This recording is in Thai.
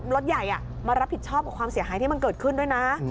รถใหญ่มารับผิดชอบกับความเสียหายที่มันเกิดขึ้นด้วยนะ